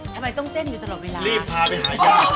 ทำไมต้องเต้นอยู่ตลอดเวลารีบพาไปหาญาติ